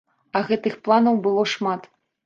А гэтых планаў было шмат.